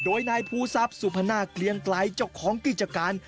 โดยนายภูทรัพย์สุพนาเกลียงไกลเจ้าของกิจการ